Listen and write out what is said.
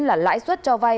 là lãi suất cho vai